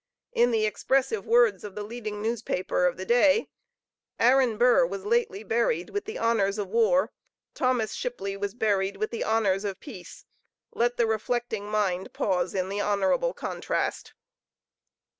In the expressive words of the leading newspaper of the day, "Aaron Burr was lately buried with the honors of war. Thomas Shipley was buried with the honors of peace. Let the reflecting mind pause in the honorable contrast."